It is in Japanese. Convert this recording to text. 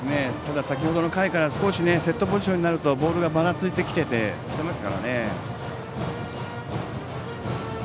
先程の回から少しセットポジションになるとボールがばらついてきています。